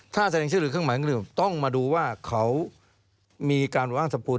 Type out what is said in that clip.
ถ้าแสดงชื่อหรือเครื่องหมายของเครื่องอื่นก็พอต้องมาดูว่าเขามีการบริษัทสรรพุน